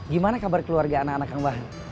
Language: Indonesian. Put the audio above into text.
gimana kabar keluarga anak anak kang bahar